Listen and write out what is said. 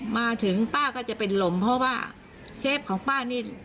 มาถึงป้าก็จะเป็นลมเพราะว่าเซฟของป้านี่